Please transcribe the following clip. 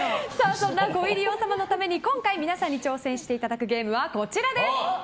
そんなご入り用さんのために今回、皆さんに挑戦していただくゲームはこちらです。